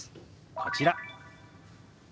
こちら。